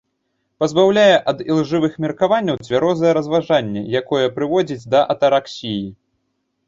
Пазбаўляе ад ілжывых меркаванняў цвярозае разважанне, якое прыводзіць да атараксіі.